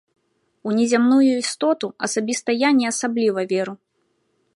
У незямную істоту асабіста я не асабліва веру.